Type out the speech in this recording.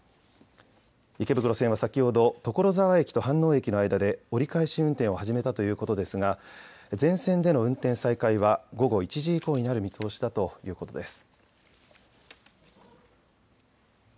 池袋線は先ほど所沢駅と飯能駅の間で折り返し運転を始めたということですが全線での運転再開は午後１時以降になる見通しだということです。